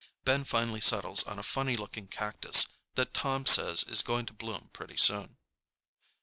Ben finally settles on a funny looking cactus that Tom says is going to bloom pretty soon.